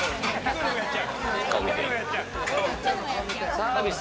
サービス。